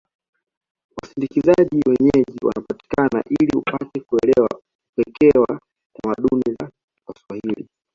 Wasindikizaji wenyeji wanapatikana ili upate kuelewa upekee wa tamaduni za waswahili